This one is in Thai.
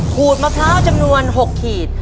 ขูดมะพร้าวจำนวน๖ขีด